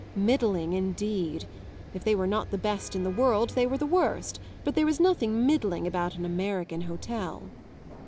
Middling indeed! If they were not the best in the world they were the worst, but there was nothing middling about an American hotel.